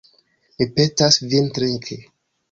Mi petas vin trinki.